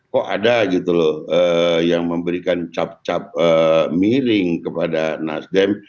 kok ada gitu loh yang memberikan cap cap miring kepada nasdem